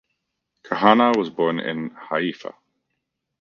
Kahana was born in Haifa.